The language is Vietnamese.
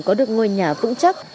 có được ngôi nhà vững chắc